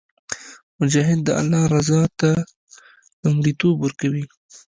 مجاهد د الله رضا ته لومړیتوب ورکوي.